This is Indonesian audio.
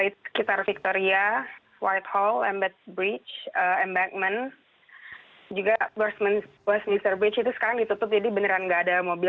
sekitar victoria whitehall embankment juga westminster bridge itu sekarang ditutup jadi beneran nggak ada mobil